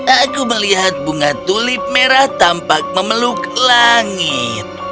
aku melihat bunga tulip merah tampak memeluk langit